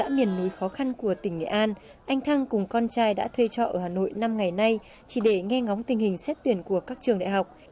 miền núi khó khăn của tỉnh nghệ an anh thăng cùng con trai đã thuê trọ ở hà nội năm ngày nay chỉ để nghe ngóng tình hình xét tuyển của các trường đại học